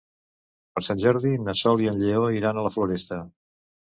Per Sant Jordi na Sol i en Lleó iran a la Floresta.